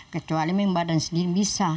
kecuali yang badan segini bisa